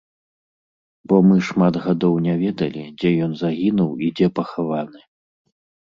Бо мы шмат гадоў не ведалі, дзе ён загінуў і дзе пахаваны.